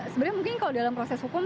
sebenarnya mungkin kalau dalam proses hukum